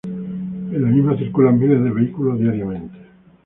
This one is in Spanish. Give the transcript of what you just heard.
En la misma circulan miles de vehículos diariamente.